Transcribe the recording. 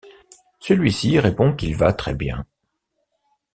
Celui-ci, répond qu'il va très bien.